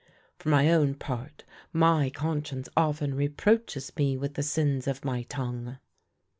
For my own part, my conscience often reproaches me with the sins of my tongue."